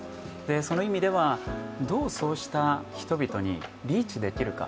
その意味では、どうそうした人々にリーチできるか。